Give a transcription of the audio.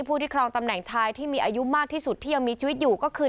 ผู้ที่ครองตำแหน่งชายที่มีอายุมากที่สุดที่ยังมีชีวิตอยู่ก็คือ